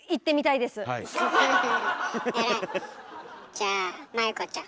じゃあ麻友子ちゃん